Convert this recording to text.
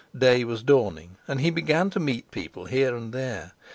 Day was dawning, and he began to meet people here and there.